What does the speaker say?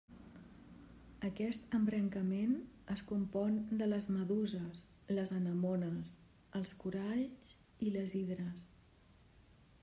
Aquest embrancament es compon de les meduses, les anemones, els coralls i les hidres.